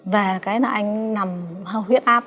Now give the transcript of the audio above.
về cái là anh nằm huyết áp